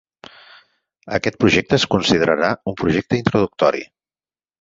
Aquest projecte es considerarà un projecte introductori.